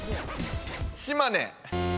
島根。